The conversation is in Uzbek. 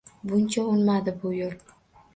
Buncha unmadi bu yo`l